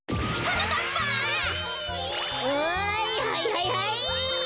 はいはいはいはい！